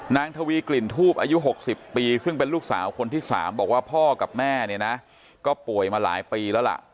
ทวีกลิ่นทูบอายุ๖๐ปีซึ่งเป็นลูกสาวคนที่๓บอกว่าพ่อกับแม่เนี่ยนะก็ป่วยมาหลายปีแล้วล่ะ